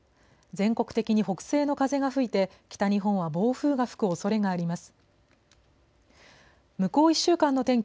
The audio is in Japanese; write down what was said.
全国的に北西の風が吹いて北日本は暴風が吹くおそれがあります。